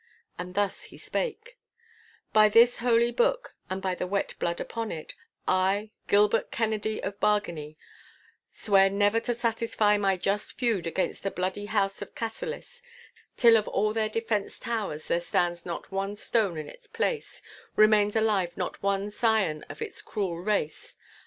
And thus he spake,— 'By this Holy Book and by the wet blood upon it, I, Gilbert Kennedy of Bargany, swear never to satisfy my just feud against the bloody house of Cassillis, till of all their defenced towers there stands not one stone in its place, remains alive not one scion of its cruel race.